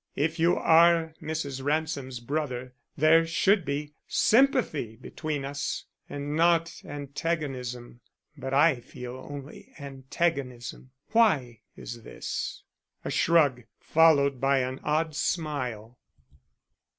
If you are Mrs. Ransom's brother, there should be sympathy between us and not antagonism. But I feel only antagonism. Why is this?" A shrug, followed by an odd smile.